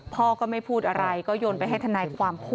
พ่อก็ไม่พูดอะไรก็โยนไปให้ทนายความพูด